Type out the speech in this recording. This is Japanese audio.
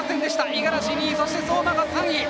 五十嵐２位、相馬が３位。